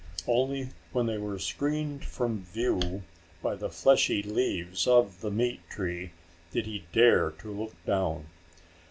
Only when they were screened from view by the fleshy leaves of the meat tree did he dare to look down.